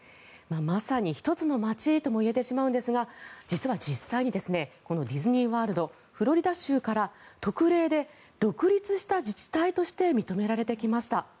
まさに１つの街ともいえてしまうんですが実は実際にこのディズニー・ワールドフロリダ州から特例で独立した自治体として認められてきました。